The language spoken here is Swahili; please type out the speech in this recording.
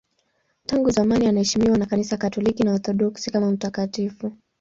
Tangu zamani anaheshimiwa na Kanisa Katoliki na Waorthodoksi kama mtakatifu.